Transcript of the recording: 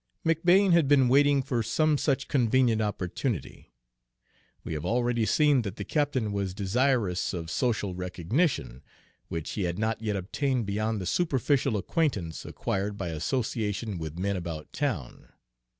McBane had been waiting for some such convenient opportunity. We have already seen that the captain was desirous of social recognition, which he had not yet obtained beyond the superficial acquaintance acquired by association with men about town.